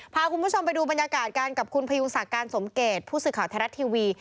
พาคุณผู้ชมไปดูบรรยากาศกันกับคุณพยุงศักดิ์การสมเกตผู้สื่อข่าวไทยรัฐทีวี